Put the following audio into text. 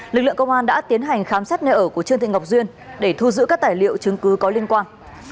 lực lượng công an đã tiến hành khám xét nơi ở của trương thị ngọc duyên để thu giữ các tài liệu chứng cứ có liên quan